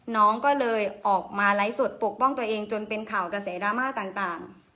น้องก็เลยออกมาไลฟ์สดปกป้องตัวเองจนเป็นข่าวกระแสดราม่าต่าง